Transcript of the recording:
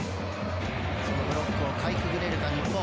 このブロックをかいくぐれるか日本。